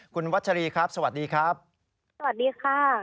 คุณวัชรีครับสวัสดีครับสวัสดีค่ะ